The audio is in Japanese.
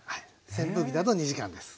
扇風機だと２時間です。